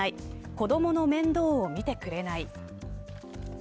子どもの面倒を見てくれない。